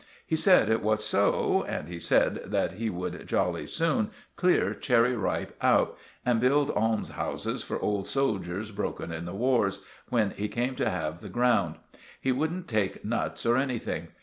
He said it was so; and he said that he should jolly soon clear Cherry Ripe out, and build almshouses for old soldiers broken in the wars, when he came to have the ground. He wouldn't take nuts or anything.